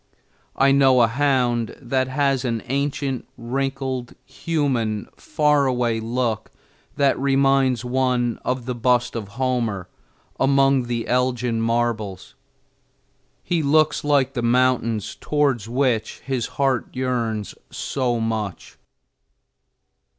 I know a hound that has an ancient, wrinkled, human, far away look that reminds one of the bust of Homer among the Elgin marbles. He looks like the mountains toward which his heart yearns so much.